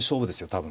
多分。